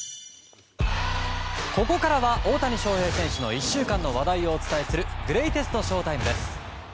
ここからは大谷翔平選手の１週間の話題をお伝えするグレイテストＳＨＯ‐ＴＩＭＥ！